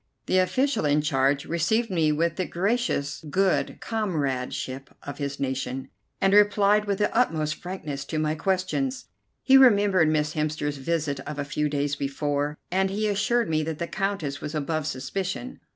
The official in charge received me with the gracious good comradeship of his nation, and replied with the utmost frankness to my questions. He remembered Miss Hemster's visit of a few days before, and he assured me that the Countess was above suspicion.